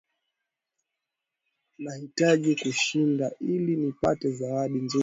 Nahitaji kushinda ili nipate zawadi nzuri